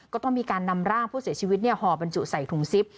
ก็ต้องมีการนำร่างผู้เสียชีวิตห่อบรรจุใส่ถุงซิป